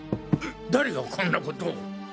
誰がこんな事を。